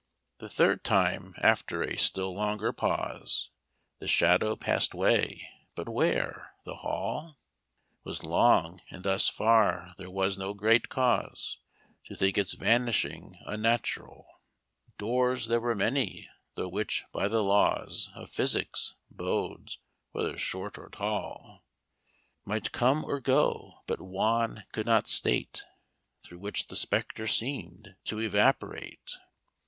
"The third time, after a still longer pause, The shadow pass'd away but where? the hall Was long, and thus far there was no great cause To think its vanishing unnatural: Doors there were many, through which, by the laws Of physics, bodies, whether short or tall, Might come or go; but Juan could not state Through which the spectre seem'd to evaporate.